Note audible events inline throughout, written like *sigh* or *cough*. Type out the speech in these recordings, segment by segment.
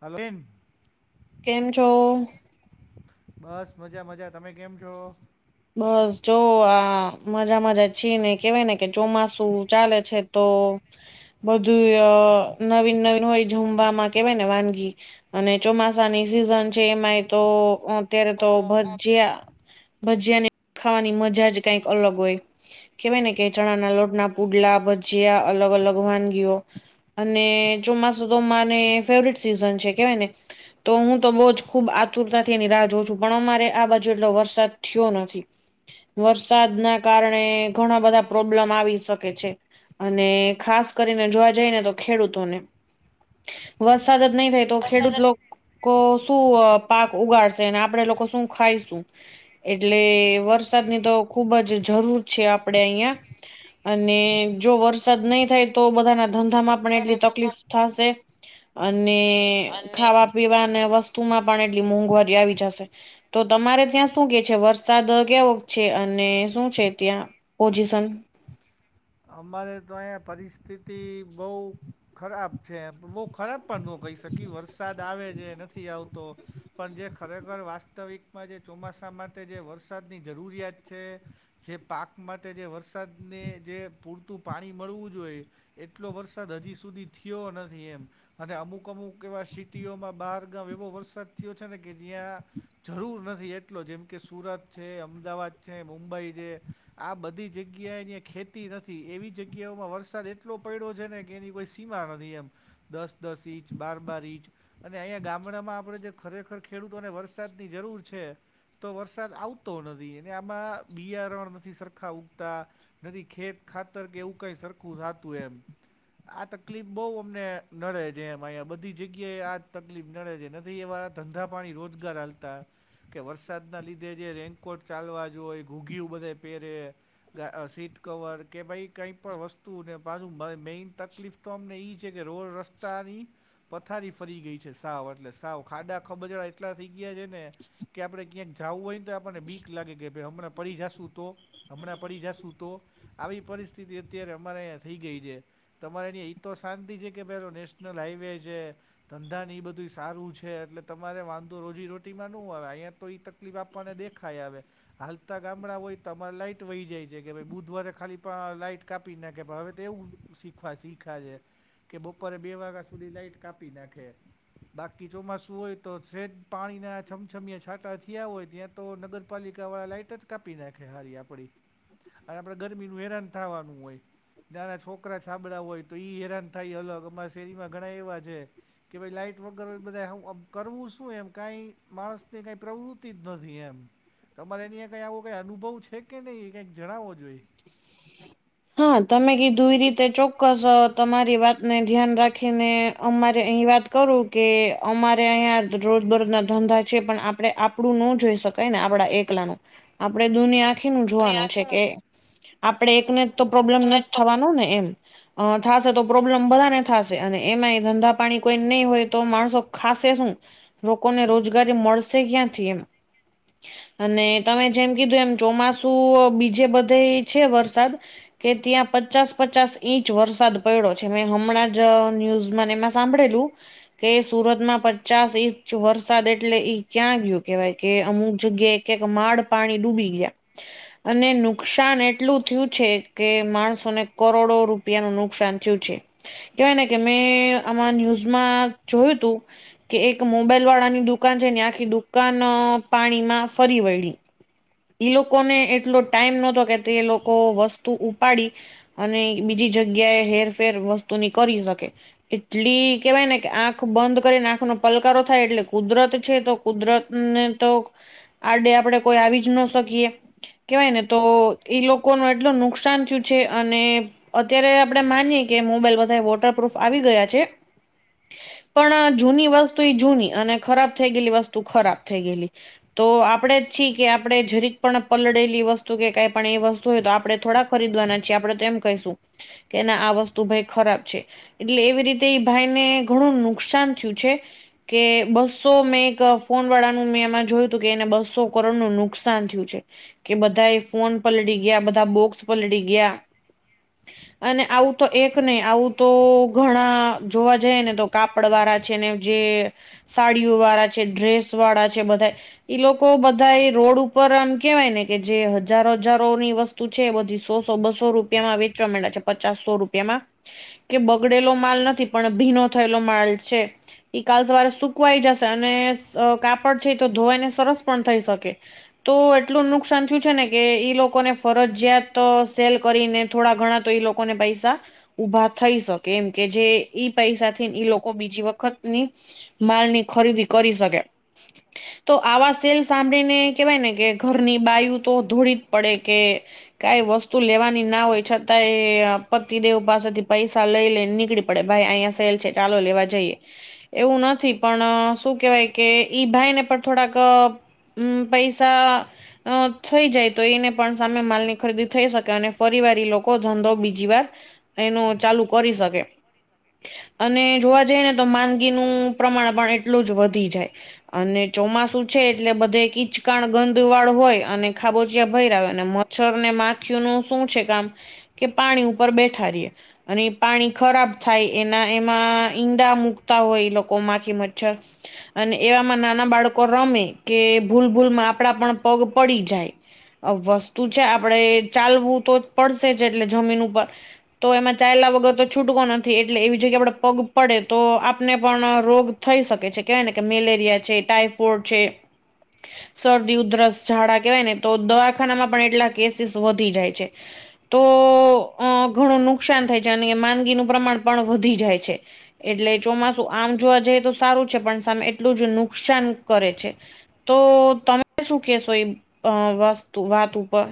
Hello *inaudible* કેમ છો? બસ મઝા મઝા. તમે કેમ છો? બસ જો આ મઝા મઝા છી ને કેવાય ને કે ચોમાસું ચાલે છે. તો બધું અ નવીન નવીન હોય જમવામાં કેવાય ને વાનગી. અને ચોમાસાની સિઝન છે એમાંય તો અત્યારે તો ભજીયા ભજીયા ને ખાવાની મજા જ કંઈક અલગ હોય. કેહેવાય ને કે ચણાના લોટના પુડલા, ભજીયા અલગ અલગ વાનગીઓ. અને ચોમાસું તો મને ફેવરેટ સિઝન છે કેહવાય ને. તો હું તો બહુ જ ખુબ આતુરતાથી એની રાહ જોઉ છું. પણ અમારે આ બાજુ એટલો વર સાદ થયો નથી. વરસાદના કારણે ઘણા પ્રોબ્લેમ આવી શકે છે. અને ખાસ કરીને જોવા જઈ ને તો ખેડૂતોને. વરસાદ જ નહી થાય તો વરસાદ ખેડૂત જ લોકો શું અ પાક ઉગાડશે અને આપડે લોકો શું ખાઈશું? એટલે વરસાદની તો ખુબ જ જરૂર છે આપડે અહિયાં. અને જો વરસાદ નહીં થાય તો બધાના ધંધામાં. પણ એટલી પોતાના ધંધા તકલીફ થશે અને અને ખાવા પીવા અને વસ્તુમાં પણ એટલી મોંઘવારી આવી જશે. તો તમારે ત્યાં શું કે છે વરસાદ કેવો છે, અને શું છે ત્યાં પોઝિશન? અમારે તો અહીંયા પરિસ્થિતિ બહુ ખરાબ છે. બહું ખરાબ પણ ન કહી શકીએ વરસાદ આવે છે નથી આવતો. પણ જે ખરેખર વાસ્તવિકમાં જે ચોમાસા માટે જે વરસાદની જરૂરિયાત છે. જે પાક માટે જે વરસાદને જે પૂરતું પાણી મળવું જોઈએ. એટલો વરસાદ હજી સુધી થિયો નથી એમ. અને અમુક અમુક એવા સિટીઓમાં બહાર ગામ એવો વરસાદ થયો છે ને કે જ્યાં જરૂર નથી એટલો જેમ કે સુરત છે, અમદાવાદ છે, મુંબઈ છે. આ બધી જગ્યા જ્યાં ખેતી નથ એવી જગ્યાઓમાં વરસાદ એટલો પડ્યો છે ને કે એની કોઈ સીમા નથી એમ. દસ દસ ઇંચ, બાર બાર ઇંચ. અને અહીંયા ગામડામાં આપણે જે ખરેખર ખેડૂતોને વરસાદની જરૂર છે. તો વરસાદ આવતો નથી અને આમાં બિયારણ નથી સરખા ઉગતા. નથી ખેત ખાતર કે એવું કઈ સરખું થતું એમ. આ તકલીફ બહુ અમને નડે જે એમય મ બધી જગ્યાએ આ તકલીફ નડે છે નથી એ વાત ધંધા પાણી રોજગાર હાલતા. કે વરસાદના લીધે જે રેનકોટ ચાલવા જોય, ઘૂઘીયું બધે પહેરે. ગા અ સીટ કવર. કે ભાઈ કંઈ પણ વસ્તુને પાછું મેન તકલીફ તો અમને એ છે કે રોડ રસ્તાની પથારી ફરી ગઈ છે સાવ એટલે સાવ. ખાડા ખબજડા એટલા થઈ ગયા છે ને. કે આપડે ક્યાંક જવું હોય ને તો આપણને બીક લાગે કે ભાઈ હમણાં પડી જશું તો? હમણાં પડી જશું તો? આવી પરિસ્થિતિ અત્યારે અમારે અહીંયા થઈ ગઈ છે. તમારે ને ઈતો શાંતિ છે કે પેલો નેશનલ હાઈવે જે. ધંધા ને એ બધું સારું છે એટલે તમારે વાંધો રોજીરોટીમાં નો આવે તો અયા તો ઇત તકલીફ આપણને દેખાય આવે, હાલતા ગામડા હોય તો અમારે લાઈટ વહી જાય છે કે ભય બુધવારે ખાલીપા લાઈટ કાપી નાખે કે ભાવે ત એવું શીખવા શીયખા છે. કે, બપોરે બે વાગા સુધી લાાઈટ કાપી જ નાખે. બાકી ચોમાસું હોય તો સેજ પાણીના છમછમિયા છાંટા થીયા હોય ત્યાં તો નગરપાલિકાવાળા લાઈટ જ કાપી નાખે હારી આપડી, અને આપણે ગરમીનું હેરાન થાવાનું હોય. નાના છોકરા છાબડા હોય તો ઈ હેરાન થાય એ અલગ અમારા શેરીમાં ઘણા એવા છે. કે ભાઈ લાઈટ વગર હવે બધાએ કરવું શું એમ કાઈ માણસની કઈ પ્રવૃત્તિ જ નથી એમ. તમારે એની કઈ આવુ કઈ અનુભવ છે કે નહીં એ કંઈક જણાવવો જોઈએ. હા તમે કીધું એ રીતે ચોક્કસ તમારી વાત ને ધ્યાન રાખીને અમારે અહી વાત કરું કે અમારે અહીંયા રોજબરોજના ધંધા છે પણ આપણે આપણું ન જોઈ શકાય ને આપડા એકલાનું આપણે દુનિયા ખિમ જોવાનું છે કે આખીનું આપડે એકને તો પ્રોબ્લેમ નથ તો થવાનું એમ. અ થાશે તો પ્રોબ્લેમ બધાને થાશે અને એમાંય ધંધા પાણી કોઈ નહી હોય તો માણસો ખાશે શું? લોકોને રોજગારી મળશે ક્યાંથી એમ. અને તમે જેમ કીધું એમ ચોમાસું બીજે બધે છે વરસાદ કે ત્યાં પચાસ પચાસ ઈંચ વરસાદ પડ્યો છે મેં હમણાં જ ન્યૂઝમાં એમાં સાંભળેલું. કે સુરતના પચાસ ઇંચ વરસાદ એટલે ઈ ક્યાં ગયું કેવાય કે અમુક જગ્યાએ કે માડ પાણી ડૂબી ગયા અને નુકસાન એટલું થયું છે. કે, માળસોને કરોડો રૂપિયાનું નુકસાન થયું છે. કેવાય ને કે મેં આમાં ન્યૂઝમાં જોયું તું. કે એક મોબાઈલવાળાની દુકાન છે ને આખી દુકાન પાણીમાં ફરી વળડી. ઈ લોકોને એટલો ટાઈમ નહતો કે તે લોકો વસ્તુ ઉપાડી અને બીજી જગ્યાએ હેરફેર વસ્તુની કરી શકે. એટલી કેવાય ને કે આંખ બંધ કરીને આંખ નો પલકારો થાય એટલે કુદરત છે તો કુદરતને તો આડે આપડે કોઈ આવી જ ન શકીએ કેવાય ને તો એ લોકો ન એટલ નુ નુકસાન થયું છે અને અત્યારે આપડે માનીએ કે મોબાઈલ બધા વોટરપ્રૂફ આવી ગયા છે. પણ જૂની વસ્તુ એ જૂની અને ખરાબ થઈ ગયેલી વસ્તુ ખરાબ થઈ ગયેલી. તો આપણેે છીએ કે આપણે જરીક પણ પલળેલી વસ્તુ કે કઈ પણ એવી વસ્તુ હોય તો આપણે થોડાક ખરીદવાના છીએ આપણે તો એમ કહીશું કે ના આ વસ્તુ ભાઈ ખરાબ છે. એટલે એવી રીતે એ ભાઈને ઘણું નુકસાન થયું છે. કે બસો મેં એક ફોન વાળાનું મેં એમાં જોયું હતું કે એને બસો કરોડનું નુકસાન થયું છે. કે બધાએ ફોન પલળી ગયા બધા બોક્સ પલડી ગયા. *inaudible* અને આવું તો એક નહી આવું તો ઘણા જોવા જઈને તો કાપડવાળા છેને જે સાડીઓવાળા છે, ડ્રેસવાળા છે બધા ઈ લોકો બધાએ રોડ ઉપર આમ કેવાય ને કે જે હજારો હજારોની વસ્તુ છે એ બધી સો સો બસો રૂપિયામાં વેચવા મડ્યા છે પચાસ સો રૂપિયામાં કે બગડેલો માલ નથી પણ ભીનો થયેલો માળ છે. એ કાલ સવારે સુકવાઈ જશે અને છ કાપડથી તો ધોવાઈને સરસ પણ થઈ શકે. તો એટલું નુકસાન થયું છે ને કે ઈ લોકોને ફરજિયાત તો સેલ કરીને થોડા ઘણા તો એ લોકોને પૈસા ઊભા થઈ શકે એમ, કે જે ઈ પૈસાથી ઈ લોકો બીજી વખતની માલની ખરીદી કરી શકે. *inaudible* તો આવા સેલ સાંભળીને, કેવાય ને કે ઘરની બાયુ તો ધોડી જ પડે કે કાંઈ વસ્તુ લેવાની ના હોય, છતાં એ પતિદેવ પાસેથી પૈસા લઈ લેઇ ને નીકળી પડે. ભાઈ અહીંયા સેલ છે ચાલો લેવા જઈએ. એવું નથી. પણ શું કેવાય કે, ઈ ભાઈને પણ થોડાક હમ્મ પૈસા અ થઈ જાય, તો એને પણ સામે માલની ખરીદી થઈ શકે, અને ફરી વાર ઈ લોકો ધંધો બીજી વાર એનો ચાલુ કરી શકે. અને જોવા જઈએને, તો માંદગીનું પ્રમાણ પણ એટલું જ વધી જાય. અને ચોમાસુ છે, એટલે બધે કીચકાણ ગંદવાડ હોય અને ખાબોચિયા ભયરા હોય અને મ ચ્છર ને માખ્યું નું શું છે કામ, કે પાણી ઉપર બેઠા રીએ. અને ઈ પાણી ખરાબ થાય, એ એના એમાં ઈંડા મૂકતા હોય, એ લોકો માખી મચ્છર. અને એવામાં નાના બાળકો રમે, કે ભૂલ ભૂલમાં આપડા પણ પગ પડી જાય અવ્વસ તુ છે, આપડે ચાલવું તો પડશે જ એટલે જમીન ઉપર. તો એમાં ચાયલા વગર તો છૂટકો નથી. એટલે એવી જગ્યા પર આપડે પગ પડે તો, આપને પણ રોગ થઈ શકે છે. કેવાય ને કે મેલેરિયા છે, ટાઈફોઇડ છે હ શરદી ઉધરસ ઝાડા કેવાય ને, તો દવાખાનામાં પણ એટલા કેસીસ વધી જાય છે. તો અ ઘણું નુકસાન થાય છે, અને માંદગીનું પ્રમાણ પણ વધી જાય છે. એટલે ચોમાસું આમ જોવા જઈએ, તો સારું છે. પણ સામે એટલું જ નુકસાન કરે છે. તો તમે શું કેશો, એ અં વસ્તુ, વાત ઉપર?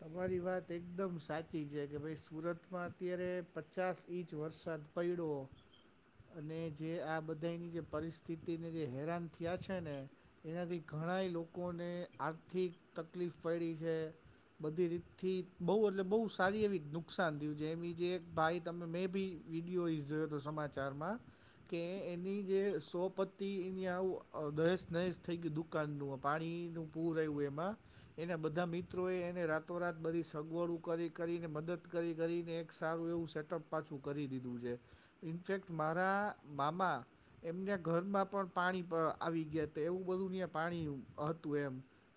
તમારી વાત એકદમ સાચી છે, કે ભાઈ સુરતમાં અત્યારે પચાસ ઇંચ વરસાદ પયડો. અને જે આ બધાની જે પરિસ્થિતિને જે હેરાન થ્યા છે ને! એનાથી ઘણાય લોકોને આર્થિક તકલીફ પયડી છે. બધી રીતથી, બહુ એટલે બહુ સારી એવી નુકસાન થ્યું છે. એમ જે એક ભાઈ તમે મેં બી વિડીયો ઈઝ જોયો તો સમાચારમાં કે એની જે સોપ હતી એની આવું દહેસ નહેસ થઈ ગ્યું દુઃખ દુકાનનું. પાણીનું પૂર આયવું એમાં. એના બધા મિત્રો એ અને રાતોરાત બધી સગવડું કરી કરીને, મદદ કરી કરીને, એક સારું એવું સેટઅપ પાછું કરી દીધું છે. ઇનફેક્ટ, મારા મામા એમને ઘરમાં પણ પાણી આવી ગ્યા તા. એવું બધું ન્યાં પાણી હતું એમ.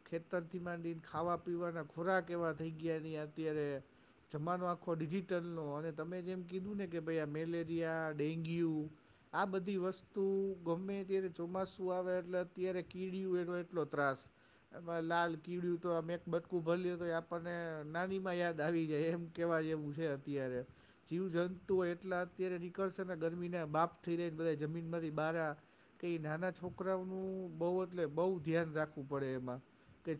ખેતરથી માંડીને ખાવા પીવાના ખોરાક એવા થઈ ગ્યા ને અત્યારે. જમાનો આખો ડિજિટલનો. અને તમે જેમ કીધું ને કે ભાઈ આ મેલેરિયા ડેન્ગ્યુ આ બધી વસ્તુ, ગમે ત્યારે ચોમાસું આવે એટલે અત્યારે કીડીયું એલો એટલો ત્રાસ. ન એમાંય લાલ કીડીયું તો, આમે એક બયકું કું ભર લે, તો ય આપણને નાનીમાં યાદ આવી જાય, એમ કેવા જેવું છે અત્યારે. જીવ જંતુઓ એટલા અત્યારે નીકળશે ને ગરમીને બાપ થઈ રહી, ને બધા જમીનમાંથી બારા કે ઈ નાના છોકરાઓનું બહુ એટલે બહુ ધ્યાન રાખવું પડે એમાં કે